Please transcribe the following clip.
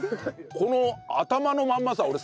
この頭のまんまさ俺